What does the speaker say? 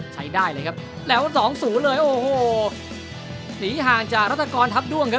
ใช้ได้เลยครับแล้วสองศูนย์เลยโอ้โหหนีห่างจากรัฐกรทัพด้วงครับ